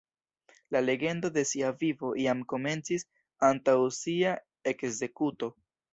La legendo de sia vivo jam komencis antaŭ sia ekzekuto.